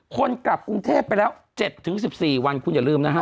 คนกลับกรุงเทพไปแล้ว๗๑๔วันคุณอย่าลืมนะฮะ